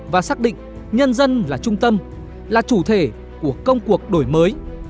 và xác định nhân dân là trung tâm là chủ thể của công cuộc đổi mới